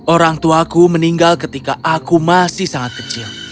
orangtuaku meninggal ketika aku masih sangat kecil